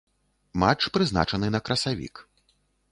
Матч прызначаны на красавік.